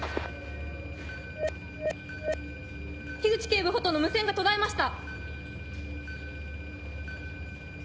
口警部補との無線が途絶えました！